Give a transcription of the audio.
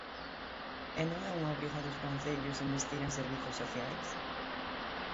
¿E non é unha obriga dos concellos investir en servizos socias?